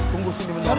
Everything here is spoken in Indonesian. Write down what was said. tunggu sini bentar